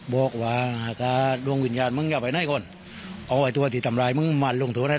โดยมันพ่อมันให้วิญญาณได้กินซ่อนและตัวที่ทำร้ายมันลงโทษได้